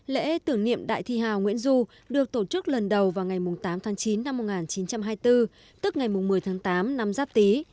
lễ tưởng niệm đại thi hào nguyễn du được tổ chức lần đầu vào ngày tám tháng chín năm một nghìn chín trăm hai mươi bốn tức ngày một mươi tháng tám năm giáp tí